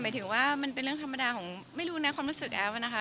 ถึงว่ามันเป็นเรื่องธรรมดาของไม่รู้นะความรู้สึกแอฟนะคะ